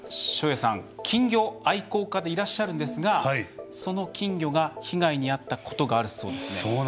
照英さんは金魚愛好家でいらっしゃるんですがその金魚が被害に遭ったことがあるそうですね。